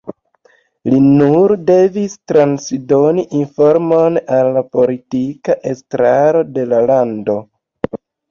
Li nur devis transdoni informon al politika estraro de la lando.